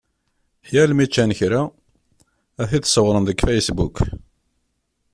Yal mi ččan kra, ad t-id-ṣewwren deg Facebook.